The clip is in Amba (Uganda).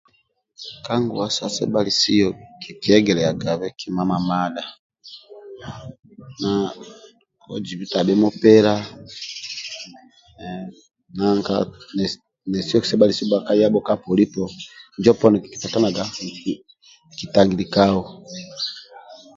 Ka nguwa sa sebhalisio kikiegiliagabe kima mamadha na kojibi tabhi mupila na na nanka na nesi bhakpa bhakayabho ka polipo injo poni kitangili kau